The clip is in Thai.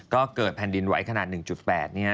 ก็เกิดแผ่นดินไหวขนาด๑๘เนี่ย